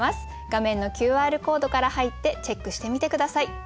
画面のＱＲコードから入ってチェックしてみて下さい。